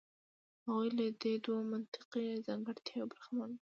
هغوی له دې دوو منطقي ځانګړتیاوو برخمن وو.